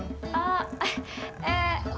oh eh boleh